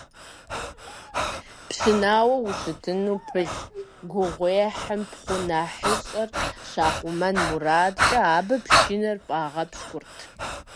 Пшынауэу ущытыным пылъ гугъуехьым пхъу нэхъыщӀэр щахъумэн мурадкӀэ, абы пшынэр фӀагъэпщкӀурт.